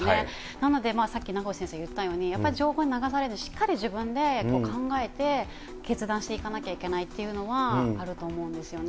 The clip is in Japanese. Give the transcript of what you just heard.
なので、さっき名越先生言ったように、やっぱり情報に流されずに、しっかり自分で考えて、決断していかなきゃいけないというのは、あると思うんですよね。